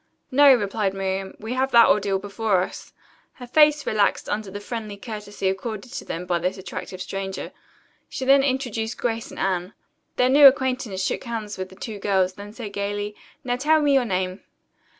"No," replied Miriam. "We have that ordeal before us." Her face relaxed under the friendly courtesy accorded to them by this attractive stranger. She then introduced Grace and Anne. Their new acquaintance shook hands with the two girls, then said gayly, "Now tell me your name."